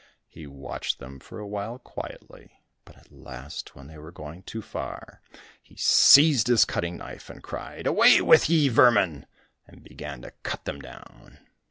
He watched them for a while quietly, but at last when they were going too far, he seized his cutting knife, and cried, "Away with ye, vermin," and began to cut them down.